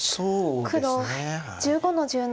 黒１５の十七。